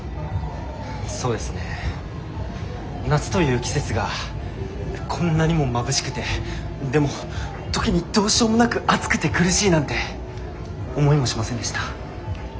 そうですね夏という季節がこんなにもまぶしくてでも時にどうしようもなく暑くて苦しいなんて思いもしませんでした。